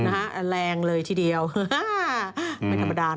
แรงเลยทีเดียวไม่ธรรมดานะ